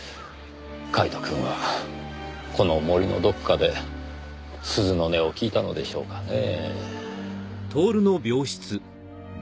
カイトくんはこの森のどこかで鈴の音を聞いたのでしょうかねぇ。